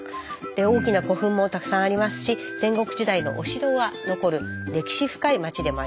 大きな古墳もたくさんありますし戦国時代のお城が残る歴史深い町でもあります。